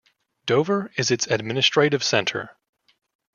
Dover is its administrative centre.